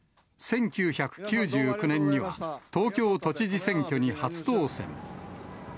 １９９９年には東京都知事選挙に初当選。